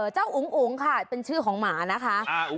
อุ๋งอุ๋งค่ะเป็นชื่อของหมานะคะ